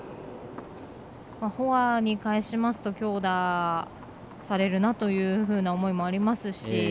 フォアに返すと強打されるなという思いもありますし。